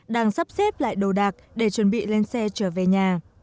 đang sắp xếp lại đồ đạc để chuẩn bị lên xe trở về nhà